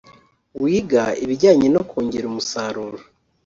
wiga ibijyanye no kongera umusaruro